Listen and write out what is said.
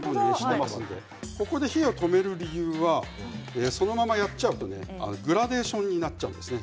ここで火を止める理由はそのままやっちゃうとグラデーションになっちゃうんですね